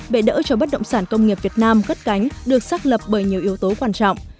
bệ đỡ cho bất động sản công nghiệp việt nam gất cánh được xác lập bởi nhiều yếu tố quan trọng